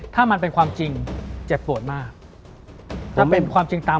ถ้ามันเป็นความจริงเจ็บปวดมาก